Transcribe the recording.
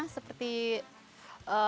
seperti berasnya itu